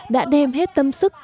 đã đem hết tâm sức